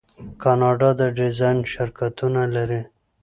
کاناډا د ډیزاین شرکتونه لري.